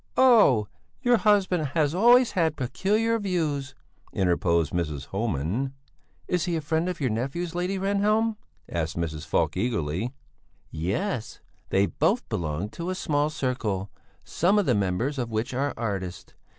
"Oh! Your husband has always had peculiar views," interposed Mrs. Homan. "Is he a friend of your nephew's, Lady Rehnhjelm?" asked Mrs. Falk eagerly. "Yes, they both belong to a small circle, some of the members of which are artists.